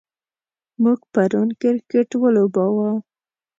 موږ پرون کرکټ ولوباوه.